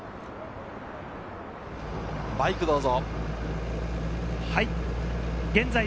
バイク、どうぞ。